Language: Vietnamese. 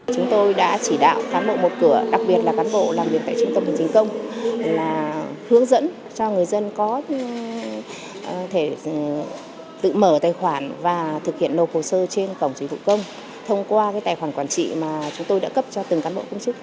chúng tôi đã chỉ đạo cán bộ một cửa đặc biệt là cán bộ làm việc tại trung tâm hành chính công là hướng dẫn cho người dân có thể tự mở tài khoản và thực hiện nộp hồ sơ trên cổng dịch vụ công thông qua tài khoản quản trị mà chúng tôi đã cấp cho từng cán bộ công chức